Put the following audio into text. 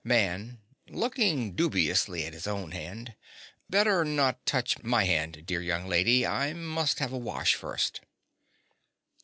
_) MAN. (looking dubiously at his own hand). Better not touch my hand, dear young lady. I must have a wash first.